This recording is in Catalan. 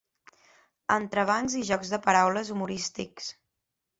Entrebancs i jocs de paraules humorístics.